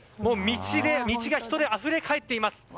道が人であふれかえっています。